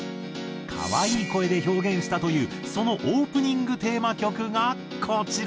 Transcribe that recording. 可愛い声で表現したというそのオープニングテーマ曲がこちら。